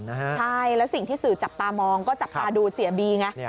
ใช่แล้วสิ่งที่สื่อจับตามองก็จับตาดูเสียบีไง